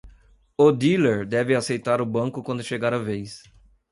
O dealer deve aceitar o banco quando chegar a vez.